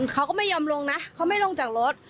เขาก็ไม่ยอมลงนะเขาไม่ลงจากรถ